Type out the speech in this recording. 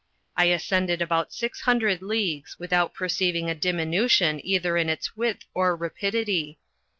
I ascended about six hundred leagues, without perceiving a diminution either in its width or rapidity.